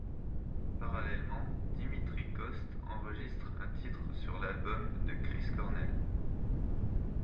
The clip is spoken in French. Parallèlement, Dimitri Coats enregistre un titre sur l'album ' de Chris Cornell.